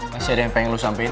masih ada yang pengen lu sampein